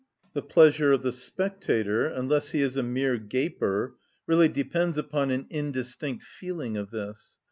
The pleasure of the spectator, unless he is a mere gaper, really depends upon an indistinct feeling of this.